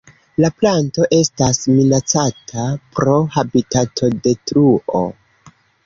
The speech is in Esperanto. La planto estas minacata pro habitatodetruo.